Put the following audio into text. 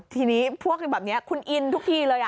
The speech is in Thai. ทีนี้พวกแบบนี้คุณอินทุกทีเลย